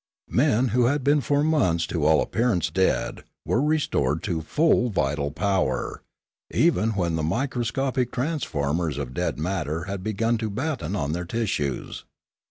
Men who had been for months to all appearance dead were re stored to full vital power, even when the microscopic transformers of dead matter had begun to batten on their tissues.